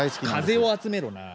風を集めろ。なあ。